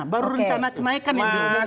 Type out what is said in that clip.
baru rencana kenaikan yang diumumkan